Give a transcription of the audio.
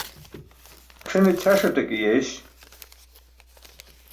C̣ʰine ćʰasaṭe ke yeeś.